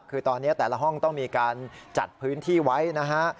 คือตอนนี้แต่ละห้องต้องมีการจัดพื้นที่ไว้นะฮะ